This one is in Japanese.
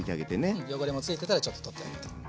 うん汚れもついてたらちょっと取ってあげて。